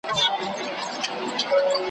په هرګل کي یې مخ وینم په هر نظم کي جانان دی `